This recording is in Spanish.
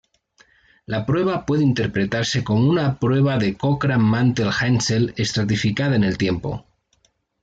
La prueba puede interpretarse como una prueba de Cochran–Mantel–Haenszel estratificada en el tiempo.